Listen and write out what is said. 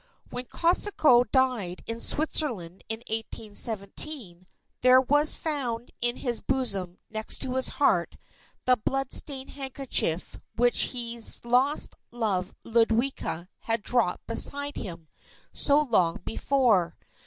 When Kosciuszko died in Switzerland, in 1817, there was found in his bosom next his heart, the blood stained handkerchief which his lost love Ludwika had dropped beside him, so long before.